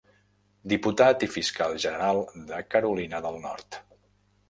Diputat i fiscal general de Carolina del Nord